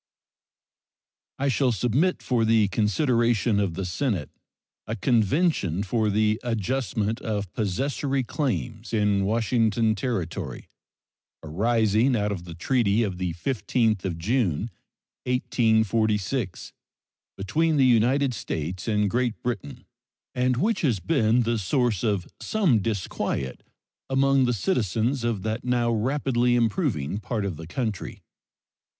I shall submit for the consideration of the Senate a convention for the adjustment of possessory claims in Washington Territory arising out of the treaty of the 15th June, 1846, between the United States and Great Britain, and which have been the source of some disquiet among the citizens of that now rapidly improving part of the country.